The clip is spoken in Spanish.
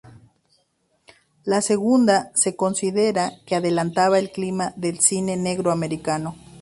La segunda se considera que adelantaba el clima del cine negro americano.